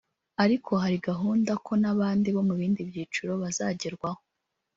ariko hari gahunda ko n’abandi bo mu bindi byiciro bazagerwaho